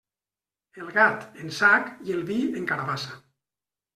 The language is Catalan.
El gat en sac i el vi en carabassa.